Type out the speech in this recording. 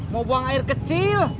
mau buang air kecil